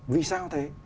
vì sao thế